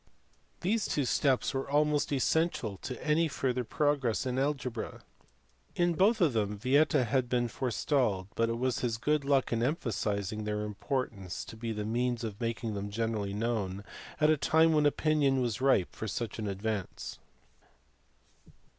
These two steps were almost essential to any further pro gress in algebra. In both of them Yieta had been forestalled, but it was his good luck in emphasizing their importance to be the means of making them generally known at a time when opinion was ripe for such an advance.